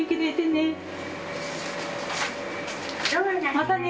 またね。